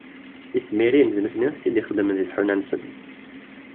Tisemmirin d nutni i tent-id-ixeddmen deg tḥuna-nsen.